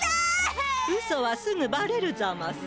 ウソはすぐバレるざます。